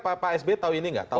pak s b tahu ini nggak